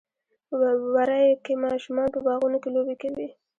وری کې ماشومان په باغونو کې لوبې کوي.